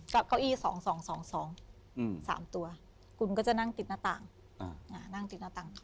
เก้าอี้๒๒๒๒๓ตัวคุณก็จะนั่งติดหน้าต่างนั่งติดหน้าต่าง